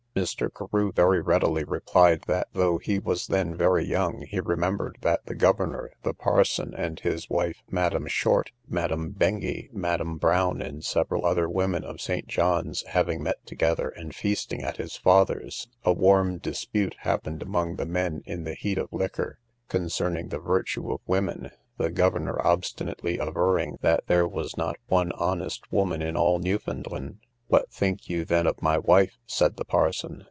Mr. Carew very readily replied, that though he was then very young, he remembered that the governor, the parson and his wife, Madam Short, Madam Bengy, Madam Brown, and several other women of St. John's, having met together, and feasting at his father's, a warm dispute happened among the men in the heat of liquor, concerning the virtue of women, the governor obstinately averring that there was not one honest woman in all Newfoundland. What think you then of my wife? said the parson.